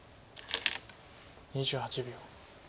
２８秒。